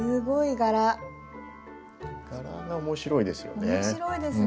柄が面白いですよね。